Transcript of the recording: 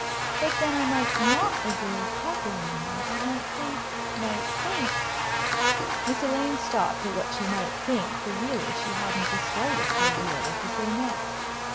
"But then I might not agree with papa, you know. I might think, might think " Miss Elaine stopped at what she might think, for really she hadn't the slightest idea what to say next.